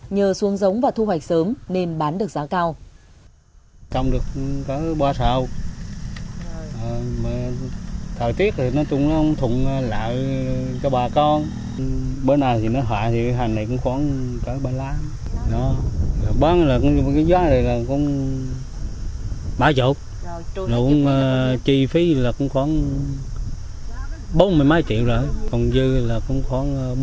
nhờ xuân giống và thu hoạch sớm nên bán được giá cao